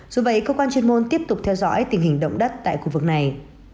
dù vậy cơ quan chuyên môn tiếp tục theo dõi tình hình động đất tại khu vực này